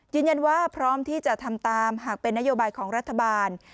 พร้อมที่จะทำตามหากเป็นนโยบายของรัฐบาล